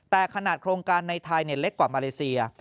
แต่ขนาดโครงการในไทยเล็กกว่ามาเลเซีย